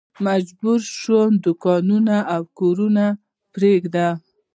مجبور شي دوکانونه او کورونه پرېږدي.